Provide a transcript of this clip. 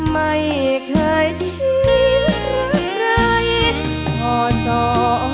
ไม่เคยชีวิตรักเลย